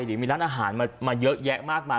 หรือมีร้านอาหารมาเยอะแยะมากมาย